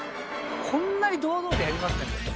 こんなに堂々とやりますか。